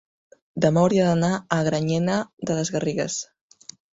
demà hauria d'anar a Granyena de les Garrigues.